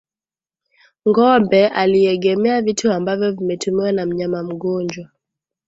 Ngombe akiegemea vitu ambavyo vimetumiwa na mnyama mgonjwa